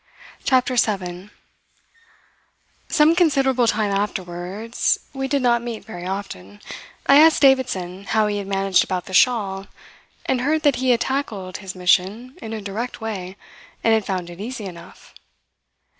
CHAPTER SEVEN Some considerable time afterwards we did not meet very often I asked Davidson how he had managed about the shawl and heard that he had tackled his mission in a direct way, and had found it easy enough.